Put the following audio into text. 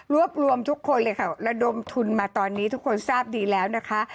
รวบรวมทุกคนเลยค่ะระดมทุนมาตอนนี้ทุกคนทราบดีแล้วนะคะ